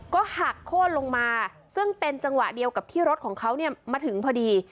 ก็หักโค้นลงมาซึ่งเป็นจังหวะเดียวกับที่รถของเขามาถึงพอดี